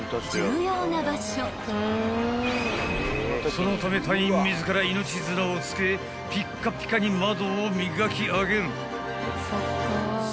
［そのため隊員自ら命綱をつけピッカピカに窓を磨き上げる］